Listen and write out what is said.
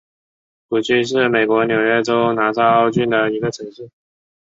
谷溪是美国纽约州拿骚郡的一个城市。